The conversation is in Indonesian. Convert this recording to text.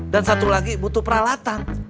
dan satu lagi butuh peralatan